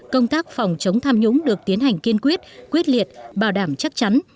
công tác phòng chống tham nhũng được tiến hành kiên quyết quyết liệt bảo đảm chắc chắn